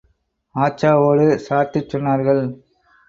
ஆச்சாவோடு சார்த்திச் சொன்னார்கள்.